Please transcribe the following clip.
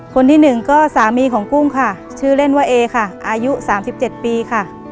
คนที่หนึ่งก็สามีของกุ้งค่ะชื่อเล่นว่าเอค่ะอายุ๓๗ปีค่ะ